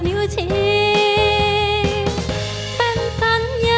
ทั้งในเรื่องของการทำงานเคยทำนานแล้วเกิดปัญหาน้อย